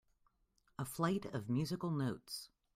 A flight of musical notes.